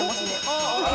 ああ。